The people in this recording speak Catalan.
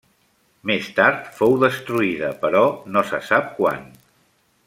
Més tard fou destruïda però no se sap quant.